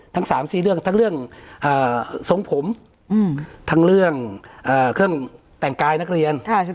ทั้ง๓๔เรื่องทั้งเรื่องทรงผมทั้งเรื่องเครื่องแต่งกายนักเรียน